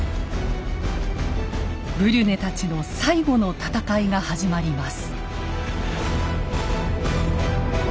ブリュネたちの最後の戦いが始まります。